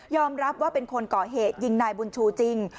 รับว่าเป็นคนก่อเหตุยิงนายบุญชูจริง